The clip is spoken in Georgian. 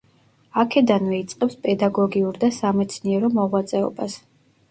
აქედანვე იწყებს პედაგოგიურ და სამეცნიერო მოღვაწეობას.